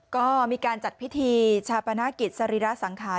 ก็มีการจัดพิธีชาปนกิจสรีระสังขาร